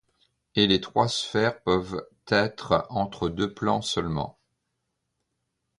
Les trois sphères peuvent être entre deux plans seulement.